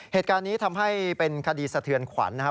เหตุการณ์นี้ทำให้เป็นคดีสะเทือนขวัญนะครับ